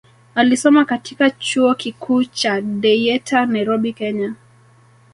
Alisoma katika chuo kikuu cha Dayatar Nairobi Kenya